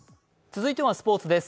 続いてはスポーツです。